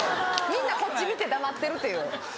みんなこっち見て黙ってるっていう。